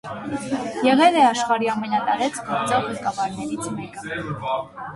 Եղել է աշխարհի ամենատարեց գործող ղեկավարներից մեկը։